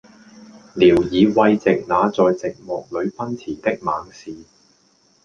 聊以慰藉那在寂寞裏奔馳的猛士，